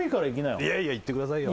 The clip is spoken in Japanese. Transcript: よいやいやいってくださいよ